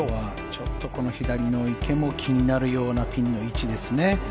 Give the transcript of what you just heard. ちょっとこの左の池も気になるようなピンの位置ですね。